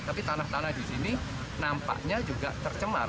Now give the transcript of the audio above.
tapi tanah tanah di sini nampaknya juga tercemar